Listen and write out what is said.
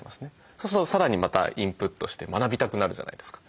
そうするとさらにまたインプットして学びたくなるじゃないですか。